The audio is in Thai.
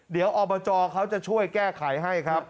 เดี๋ยวอบจเขาจะช่วยแก้ไขให้ครับ